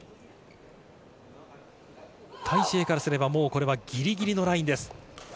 タイ・シエイからすれば、これはギリギリのラインです。